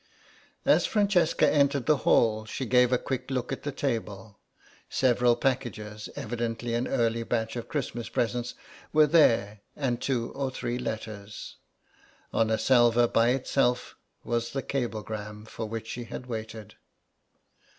As Francesca entered the hall she gave a quick look at the table; several packages, evidently an early batch of Christmas presents, were there, and two or three letters. On a salver by itself was the cablegram for which she had waited.